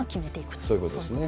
そういうことですね。